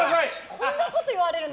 こんなこと言われるんだ。